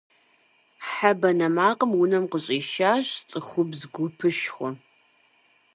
Хьэ банэ макъым унэм къыщӀишащ цӀыхубз гупышхуэ.